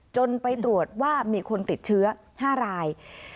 ไปตรวจว่ามีคนติดเชื้อ๕ราย